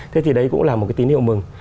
thế thì đấy cũng là một tín hiệu mừng